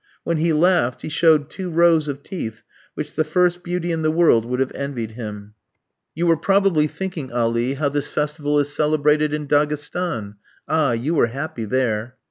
When he laughed, he showed two rows of teeth which the first beauty in the world would have envied him. "You were probably thinking, Ali, how this festival is celebrated in Daghestan. Ah, you were happy there!"